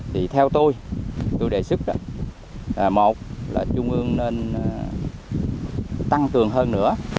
thì theo tôi tôi đề xuất một là trung ương nên tăng cường hơn nữa